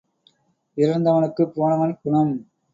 இருந்தவனுக்குப் போனவன் குணம்.